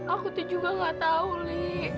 aku tuh juga gak tahu li